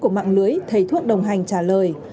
của mạng lưới thầy thuốc đồng hành trả lời